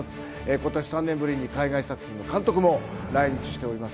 今年は３年ぶりに海外作品の監督も来場します。